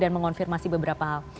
dan mengonfirmasi beberapa hal